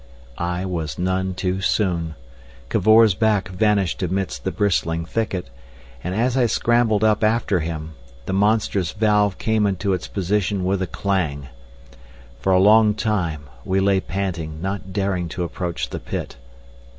I was none too soon. Cavor's back vanished amidst the bristling thicket, and as I scrambled up after him, the monstrous valve came into its position with a clang. For a long time we lay panting, not daring to approach the pit.